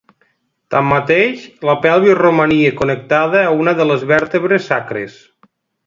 Tanmateix, la pelvis romania connectada a una de les vèrtebres sacres.